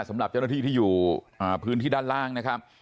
สำหรับเจ้าหน้าที่ที่อยู่พื้นที่ด้านล่างนะครับ